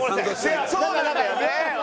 いやそうなんだよね。